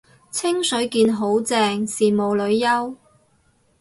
清水健好正，羨慕女優